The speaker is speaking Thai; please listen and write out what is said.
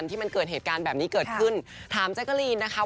ที่มันเกิดเหตุการณ์แบบนี้เคยเกิดขึ้น